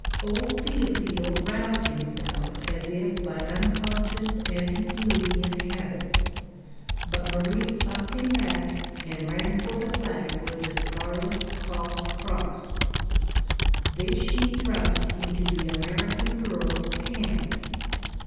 Old Théophile roused himself as if by unconscious antediluvian habit, but Marie plucked him back and ran for the flag with the scarlet cloth cross. This she thrust into the American girl's hand.